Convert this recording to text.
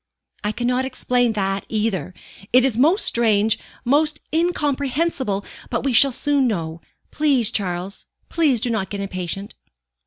"I cannot explain that, either. It is most strange, most incomprehensible, but we shall soon know. Please, Charles, please do not get impatient."